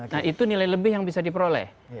nah itu nilai lebih yang bisa diperoleh